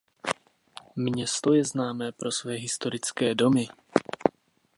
Město je známé pro své historické domy.